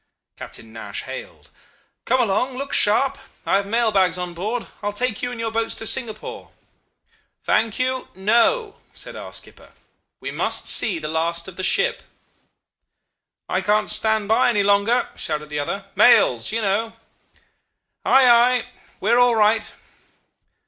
Captain Nash hailed: 'Come along! Look sharp. I have mail bags on board. I will take you and your boats to Singapore.' "'Thank you! No!' said our skipper. 'We must see the last of the ship.' "'I can't stand by any longer,' shouted the other. 'Mails you know.' "'Ay! ay! We are all right.